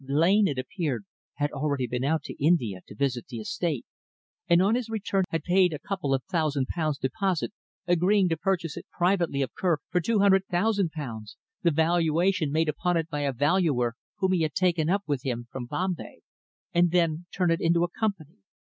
"Blain, it appeared, had already been out to India to visit the estate, and on his return had paid a couple of thousand pounds deposit, agreeing to purchase it privately of Kerr for two hundred thousand pounds the valuation made upon it by a valuer whom he had taken up with him from Bombay and then to turn it into a company.